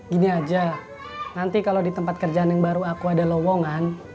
gini aja nanti kalau di tempat kerjaan yang baru aku ada lowongan